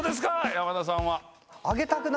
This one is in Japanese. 山田さんは。